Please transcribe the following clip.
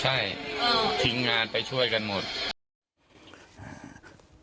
ใช่ทีมงานไปช่วยกันหมด